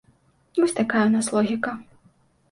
Вось такая ў нас логіка.